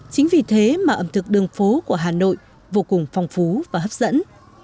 chính vì thế mà ẩm thực đường phố của hà nội vô cùng phong phú và hấp dẫn